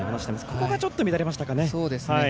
ここがちょっと乱れましたかね。